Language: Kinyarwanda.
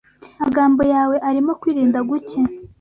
Amagambo yawe arimo kwirinda guke